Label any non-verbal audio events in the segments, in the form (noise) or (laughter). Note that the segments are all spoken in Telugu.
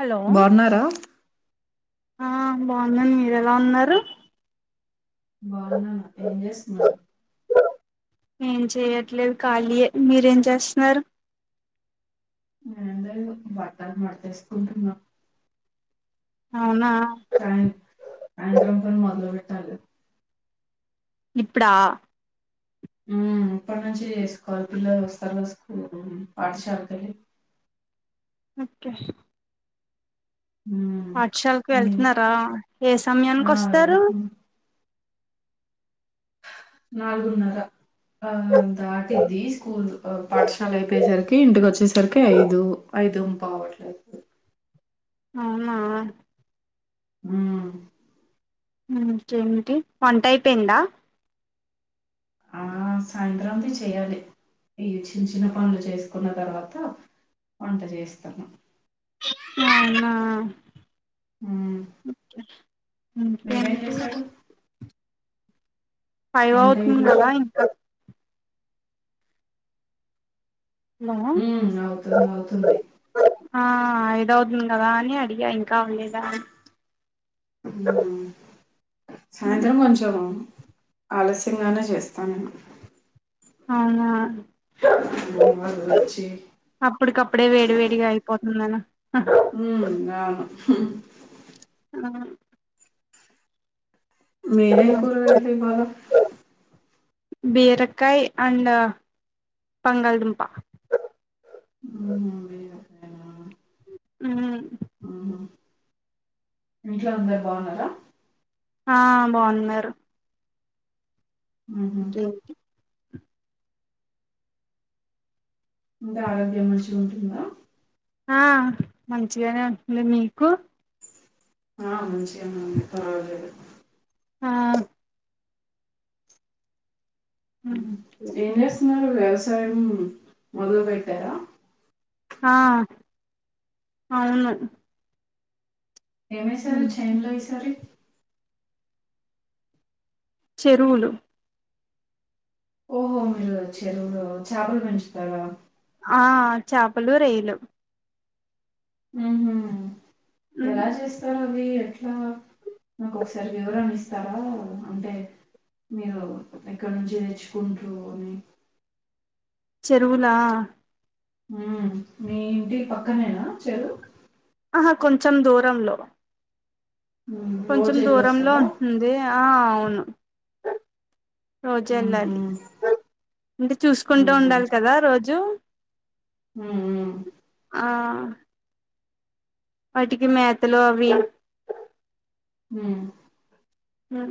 హలో బాగున్నారా ఆ బాగున్నాను మీరు ఎలా ఉన్నారు బాగున్నాను ఏం చేస్తున్నారు ఏం చెయట్లేదు కాలీయే. మీరేం చేస్తున్నారు? ఏంలేదు బట్టలు మడ్తేసుకుంటున్నం. అవునా. సాయ సాయంత్రం పనులు మొదలు పెట్టాలి. ఇప్పుడా హ్మ్ ఇప్పటి నుంచే చేసుకోవాలే. పిల్లలు వస్తారు కదా స్కూలుకు పాఠశాల కెళ్ళి. ఒకే ఉమ్ పాఠశాలకు మీరు వెళ్తున్నారా? ఏ సమయానికి ఆ వస్తారు? నాలుగు న్నరా. ఆ దాటిద్ది స్కూల్ పాఠశాల అయిపోయేసరికి ఇంటికి వచ్చేసరికి ఐదు. ఐదుం పావు అట్లయి అవునా హ్ హ్మ్ ఇంకేమిటి వంట అయిపోయిందా? ఆ సాయంత్రంకి చేయ్యాలి. ఈ చిన్న చిన్న పనులు చేసుకున్న తర్వాత వంట చేస్తాను. అవునా ఉమ్ మీరేం ఇంకేంటి? చేశారు ఫైవ్ వంట అవుతుంది ఈరోజు కదా ఇంకా హ్మ్ అవుతుంది అవుతుంది. ఆ ఐదవుతుంది కదా అని అడిగా ఇంకా అవ్వలేదా అని. (inaudible) నా సాయంత్రం కొంచెం ఆలస్యంగానే చేస్తా నేను. అవునా (inaudible) వచ్చి అప్పుడికప్పుడే వేడి వేడిగా అయిపోతుందనా. హ్మ్ అవును హ్మ్. ఆ మీరేం కూర ఇవ్వాలా? బీరకాయ్ అండ్ బంగాళదుంప. (inaudible) హ్ ఉహు ఇంట్లో అందరు బావున్నరా? ఆ బావున్నరు. ఆహా అంతా ఆరోగ్యం మంచిగుంటుందా? ఆ మంచిగనే ఉంటుంది. మీకు? ఆ మంచిగనే ఉంది పర్వాలేదు. ఆ ఏం చేస్తున్నారు వ్యవసాయం మొదలు పెట్టారా. ఆ అవును. ఏమేసారు మ్మ్ చైన్లో ఈసారి? చెరువులు ఓహో మీరు చెరువులు చాపలు పెంచుతారా? ఆ చాపలు, రొయ్యలు. ఊ మ్మ్ ఎలా చేస్ తావి ఎట్ల నాకు ఒక్కసారి వివరాలు ఇస్తావా అంటే మీరు ఎక్కడ నుంచి నేర్చుకుంటూ ఉ చెరువు లా ఉమ్ మీ ఇంటి పక్కనేనా చెరువ్ ఆహా కొంచెం దూరంలో మ్మ్. కొంచెం రోజు దూరంలో వెళ్ళొస్తారా ఉంటుంది ఆ అవును రోజు మ్మ్హూ. వెళ్ళాలి అంటే చూసుకుంటూ మ్మ్హూ. ఉండాలి కదా రోజు ఊ ఊ ఆ అటికి మేతలు అవి ఉ ఉ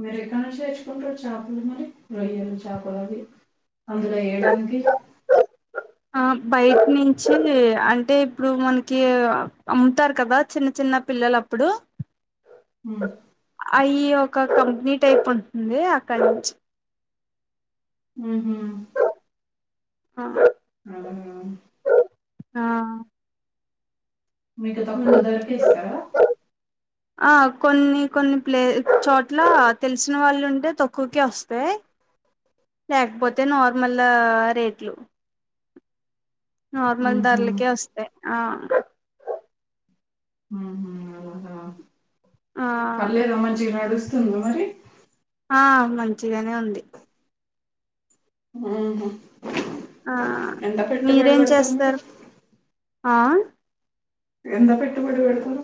మీరు ఎక్కడ నుంచి తెచ్చుకుంటారు చాపలు మరి రొయ్యలు చాపలు అవి అందులో ఎయ్యడానికి ఆ బయట్ నుంచి అంటే ఇప్పుడు మనకీ అమ్ముతారు కదా చిన్న చిన్న పిల్లలప్పుడు ఉ అయి ఒక కంపెనీ టైప్ ఉంటుంది అక్కడి నుంచ్ ఉహు హా ఆ ఆ ఆ ఆ మీకు తక్కువ ధరకే ఇస్తారా ఉ ఆ కొన్ని కొన్ని ప్లే చోట్లా తెలిసిన వాళ్ళు ఉంటే తక్కువాకే వస్ సే లేకపోతే నార్మల లా రేట్లు నార్మల్ మ్మ్హూ. ధర్లకే వస్తే ఆ హుహు హుహు ఆ పర్లేదా మంచి గ నడుస్తుందా మరి ఆ మంచిగానే ఉంది ఉహు అంత ఆ ఎంత పెట్టుబడి మీరేం పెడుతారు మీరు చేస్తారు ఆ ఎంత పెట్టుబడి పెడతారు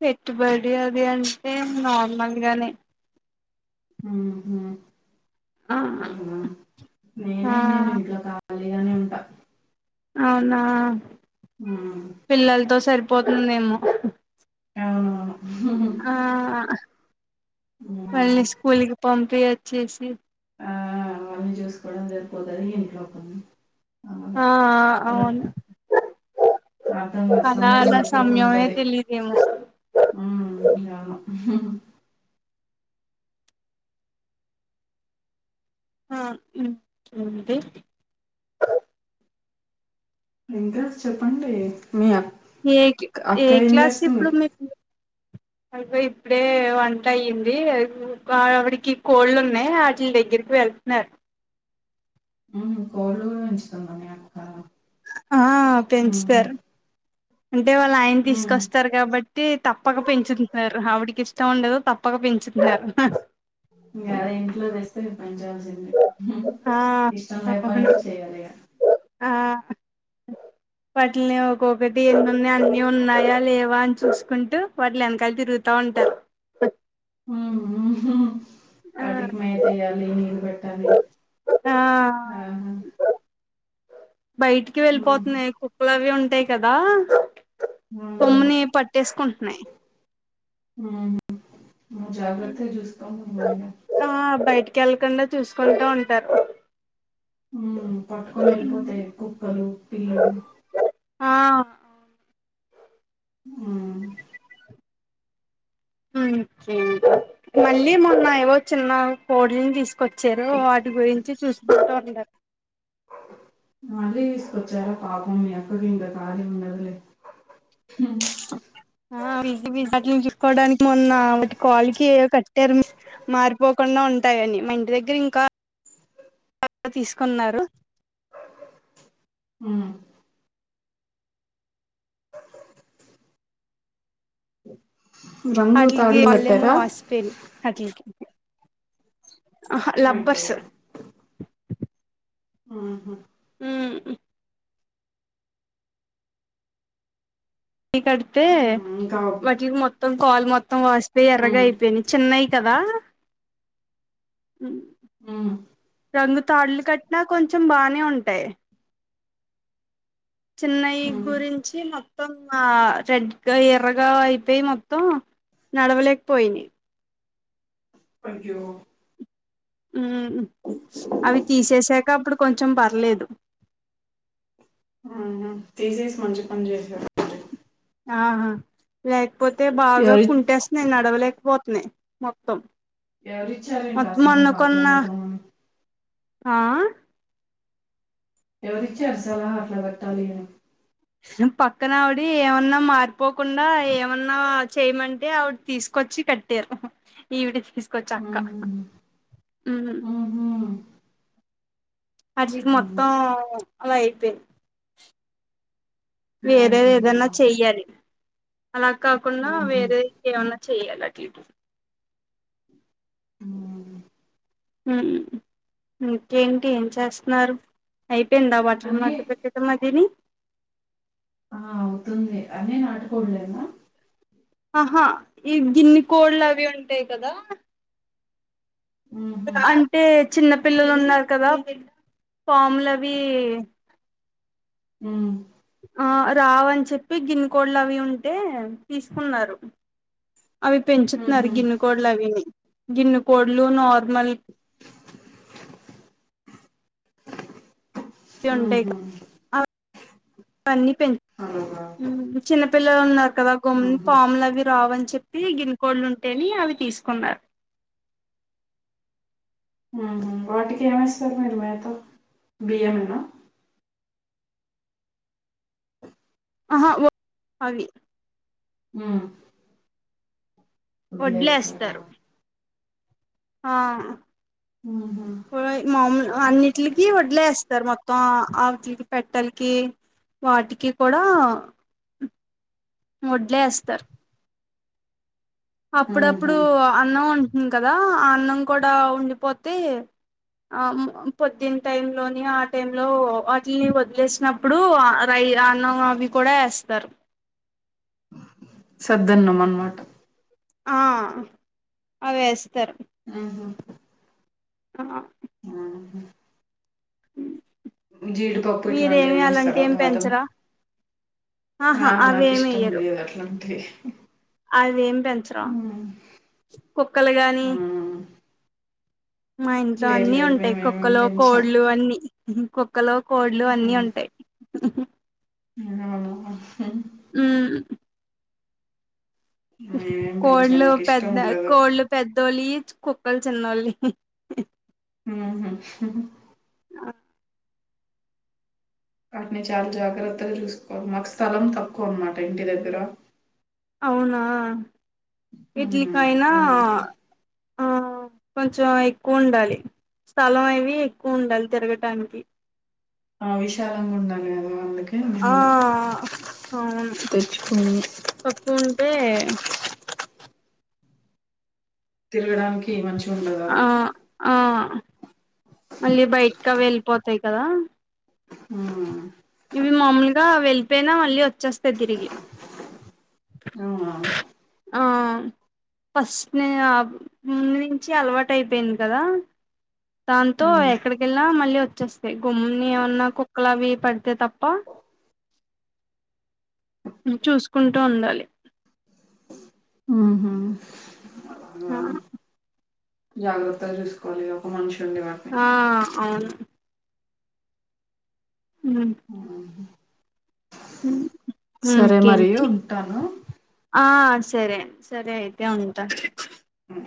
పెట్టుబడి అది అంటే నార్మల్గనే ఉ ఉ ఆ ఉహు నేను ఆ ఏమి చేయాలి ఇంట్లో కా ఖాళీ గానే ఉంటా అవునా ఊ పిల్లలతో సరిపోతుందేమో అవును అవును హు ఆ మ్మ్. వాళ్ళకి స్కూల్ కి పంపి వచ్చేసి ఆ అవన్నీ చూసుకోవడం సరిపోతాది ఇంట్లోపని అవును ఆ అవర్ అవును అర్థంగా అలా సమయం అలా అయిపోతూ సమయమే ఉంటది తెలీదేమో ఉ యమో ఉహు అ ఉమ్ ఉంటే ఇంకా చెప్పండి ఎక్స్ప్లో ఆ ఏ కి ఏ క్లాస్ ఇప్పుడు మీరు అయి పోయి ఇప్పుడే వంట అయ్యింది ఆవిడి కి కోళ్ళు ఉన్నాయి వాట్లి దగ్గరికి వెళ్తున్నారు హ్మ్ కోళ్లు పెంచుతుందా మీ అత్త ఆ పెంచుతారు అంటే వాళ్ళ ఆయన మ్మ్. తీసుకొస్తారు కాబట్టీ తప్పక పెంచుతున్నారు ఆవిడికి ఇస్ట్ ఉండదు తప్పక పెంచుతున్నారు ఇగా ఇంట్లో తెస్తే పెంచాల్సిందే ఆ ఇష్టం లేకపోయినా అవును చేయ్యాలి ఇగ ఆ వాటిల్ని ఒక్కొక్కటి ఏన్నునయ్ అన్ని ఉన్నాయా లేవా అని చూసుకుంటూ వాటిలెనకాల తిరుగుతా ఉంటారు హ్మ్ మ్మ్ ఊహూ ఆ వాటికి మేతేయాలి నీళ్ళు పెట్టాలి ఆ ఆహా బయటికి వెళ్ళిపోతున్నాయి కుక్కలు అవి ఉంటాయి కదా అవునవును కొమ్మని పట్టేసుకుంటున్నాయి హ్మ్ నువ్వు జాగ్రత్త గా చూసుకో మరిగా ఆహ్ బయటికెళ్ళకుండా చూసుకుంటా ఉంటారు హ్మ్ పట్టుకొని ఎళ్ళిపోతాయి కుక్కలు పిల్లలు ఆ హ్మ్ హ్మ్ ఇంకా మళ్ళీ మొన్న ఏవో చిన్నా కోడిల్ని తీసుకు వచ్చేరు వాటి గురించి చూసుకుంటూ ఉంటారు మళ్ళీ తీసుకొచ్చార పాపం మీ అత్తకీ ఇంకా కాళీ ఉండదు లే హ్మ్ ఆ బిజ్ బిజ్లు చుక్కకోవడానికి మొన్న కాలికి ఏవో కట్టారు మారిపోక కుండా ఉంటాయని మా ఇంటి దగ్గర ఇంకా అ తీసుకున్నారు హ్మ్ (inaudible) ఇంగ వాట్లికి వాళ్ళేమో వాస్ అహ అయ్యో లబ్బర్స్ ఊహూ హ్మ్ ఈ కడితే ఇంకా వాటిల్కి మొత్తం కాల్ మొత్తం వాసిపొయ్ ఎర్రగా ఉమ్, అయిపోయినయి చిన్నయి కదా హ్మ్ రంగు తాళ్లు కట్టినా కొంచెం బానే ఉంటాయి చిన్నై ఉమ్. గురించి మొత్తం ఆ రెడ్గా ఎర్రగా అయిపోయి మొత్తం నడవలేకపోయినియి అయ్యో హ్మ్ అవి తీసేసాక అప్పుడు కొంచెం పర్లేదు తీసేసి మంచి పని చేశారు ఆహా లేకపోతే బాగా ఎవరి కుంటేస్తున్నాయి నడవలేకపోతున్నాయి మొత్తం ఎవరిచ్చరేంటసరి మొత్తం అసలు మొన్న కొన్న మాట్లాడుదాం ఆ ఎవరిచ్చారు సలహా అట్లా పెట్టాలి అని పక్కన ఆవిడి ఏమన్నా మారిపోకుండా ఏమన్నా చేయమంటే ఆవిడు తీసుకొచ్చి కట్ తీర్ధం ఈవిడ తీసుకొచ్చ అక్క ఉహు, మ్ ఉహు, అజిగ్ ఉమ్, మొత్తం అలా అయిపోయింద్ అలా వేరే అయిపోయిందా ఏదన్నా చెయ్యాలి అలా కాకుండా ఉహు, వేరే ఇంక ఏమన్నా చెయ్యాలి అటు ఇటు ఉహు. ఇంకేంటి ఏం చేస్తున్నారు అయిపోయిందా బట్టలు అన్నీ మడతపేట్ చిట్టమ్మ తిని ఆ అవుతుంది అని నాటుకోడలేనా ఆహా ఈ గిన్ని కోళ్ళు అవి ఉంటాయి కదా ఉహు, అంటే చిన్న పిల్లలు ఉన్నారు కదా పాములు అవి ఉ ఆ రావని చెప్పి గిన్ కోళ్లు అవి ఉంటే తీసుకున్నారు అవి పెంచుతున్నారు ఉహు, గిన్నె కోళ్లులు అవిని గిన్నె కోళ్లు నార్మల్ అవి ఉంటాయి ఉహు. అవన్నీ పెంచ అవునా ఉ చిన్నపిల్లలు ఉన్నారు కదా గమ్ముని పామ్లు అవి రావని చెప్పి గిన్ కోళ్లు ఉంటేని అవి తీసుకున్నారు ఆహా వాటికి ఏమి ఎస్తారు మరి మేత బియ్యంమేనా ఆహా ఒస్త్ అవి ఉ వదిలేస్తారా వడ్లేస్తరు ఆ ఆహ మాములు అన్నిటికి వడ్లే ఎస్తారు మొత్తం ఆటికి పెట్టలకి వాటికి కూడా వడ్లే ఎస్తరు ఉహు. అప్పుడప్పుడు అన్నం ఉంటుంది కదా ఆ అన్నం గూడా ఉండిపోతే ఆ పొద్దున టైమ్ లోని ఆ టైమ్ లో వాటిని వదిలేసినప్ అప్పుడు రై అన్నం అవి కూడా ఎస్తారు సద్దన్నం అన్నమాట అ అవి ఎస్తారు ఆహ ఆ ఆహ జీడిపప్పు ఇట్లాంటి మీరేమి ఏమనా అలాంటి ఇస్తారా ఏం బాదం పెంచరా ఆహా ఆ నాకు అవేమి ఇష్టం లేదు అట్లాంటి అది మేమ్ పెంచడం కుక్కలు గానీ హ్మ్. మా ఇంట్లో లేదు అన్ని లేదు. ఉంటాయి మేమేమేం కుక్కలు పెంచం. కోళ్లు అన్ని కుక్కలు కోళ్లు అన్ని ఉంటాయి హ వినబడ్ల్ అసలు ఉ మేమేం పెంచం. కోళ్లు నాకిష్టం పెద్ద ఉండదు. కోళ్ళ పెద్దోళ్ళి కుక్కలు చిన్నోళ్ళి ఉహు హ నాక్ వాటిని చాలా జాగ్రత్తలు చూసుకోవాలి మాకు స్థలం తక్కువ అనమాట ఇంటి దగ్గర అవునా హ్మ్. ఇడ్లికాయినా అందుకని. కొంచెం ఎక్కువ ఉండాలి స్థలం అవి ఎక్కువ ఉండాలి తిరగటానికి ఆ విశాలంగా ఉండాలి కదా వాళ్ళక్ ఆ అ తెచ్చుకోము. తక్కువుంటే తిరగడానికి మంచి ఉండదు ఆ ఆ మళ్ళీ బయటకి అవే వెళ్ళిపోతాయి కదా ఆ ఇవి మామూలుగా వెళ్ళిపోయినా మళ్ళీ వచ్చేస్తాయి తిరిగి అవునా ఆ ఫస్ట్ ముందు నుంచి అలవాటు అయిపోయింది కదా దాంతో హ్మ్. ఎక్కడికెళ్నా మళ్ళీ వచ్చేస్తయ్ గుమ్ముని ఏమన్నా కుక్కలు అవి పడితే తప్ప చూసుకుంటూ ఉండాలి ఉహూ ఆ జాగ్రత్తలు చూసుకోవాలి ఒక మనిషి ఉండి వాటిని ఆ అవును ఉ హ్మ్. సరే మరి ఇంకేంటి ఉంటాను. ఆ సరే సరే అయితే ఉంటా ఉ